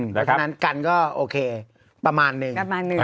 เพราะฉะนั้นกันก็โอเคประมาณนึง